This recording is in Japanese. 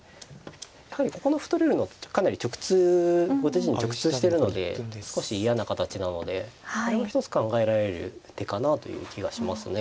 やはりここの歩取れるのはかなり直通後手陣に直通してるので少し嫌な形なのでこれも一つ考えられる手かなという気がしますね。